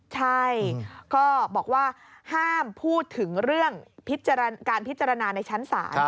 ใช่ก็บอกว่าห้ามพูดถึงเรื่องการพิจารณาในชั้นศาล